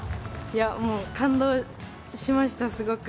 もう感動しました、すごく。